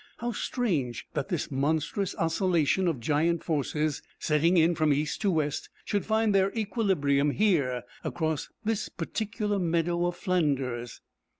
How strange that this monstrous oscillation of giant forces, setting in from east to west, should find their equilibrium here across this particular meadow of Flanders.